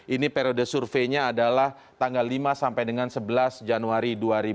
ini periode surveinya adalah tanggal lima sampai dengan sebelas januari dua ribu dua puluh